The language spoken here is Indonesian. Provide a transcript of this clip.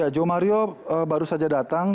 jo mario baru saja datang